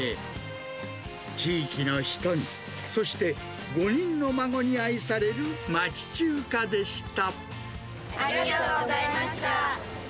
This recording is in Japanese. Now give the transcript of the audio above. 地域の人に、そして、５人の孫に愛される、町中華でした。